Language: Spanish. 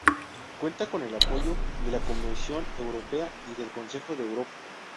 Cuenta con el apoyo de la Comisión Europea y del Consejo de Europa.